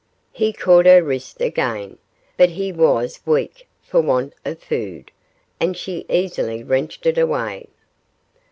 He caught her wrist again, but he was weak for want of food, and she easily wrenched it away.